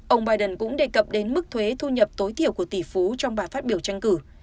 ông biden cũng đề cập đến mức thuế thu nhập tối thiểu của tỷ phú trong bài phát biểu tranh cử